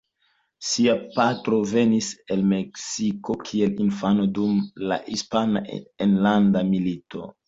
Sia patro venis al Meksiko kiel infano dum la Hispana Enlanda Milito.